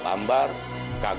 memang benar ada kata kata itu